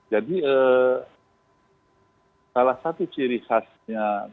jadi salah satu ciri khasnya